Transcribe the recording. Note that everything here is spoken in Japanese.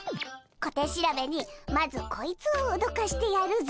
小手調べにまずこいつをおどかしてやるぞ！